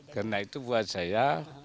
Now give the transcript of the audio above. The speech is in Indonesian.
karena itu buat saya